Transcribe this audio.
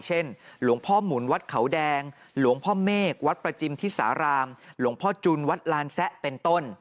หลวงพ่อหมุนวัดเขาแดงหลวงพ่อเมฆวัดประจิมทิสารามหลวงพ่อจุนวัดลานแซะเป็นต้น